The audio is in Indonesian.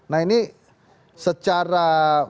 nah ini secara